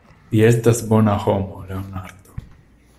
Vi estas bona homo, Leonardo.